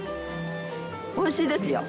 おいしいですよ。